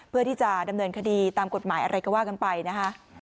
เพื่อที่จะดำเนินคดีตามกฎหมายอะไรก็ว่ากันไปนะคะ